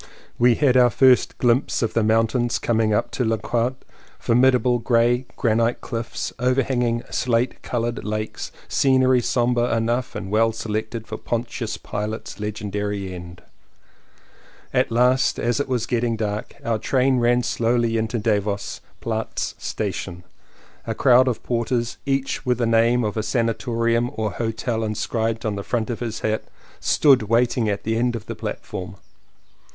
We had our first glimpse of the mountains coming up to Landquart, formidable grey 225 CONFESSIONS OF TWO BROTHERS granite cliffs overhanging slate coloured lakes — scenery sombre enough and well selected for Pontius Pilate's legendary end. At last, as it was getting dark, our train ran slowly into Davos Platz station. A crowd of porters, each with a name of a sanatorium or hotel inscribed on the front of his hat, stood waiting at the end of the platform.